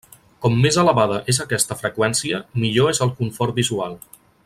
Com més elevada és aquesta freqüència millor és el confort visual.